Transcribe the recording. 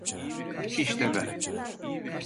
İşte ben…